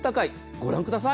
ご覧ください。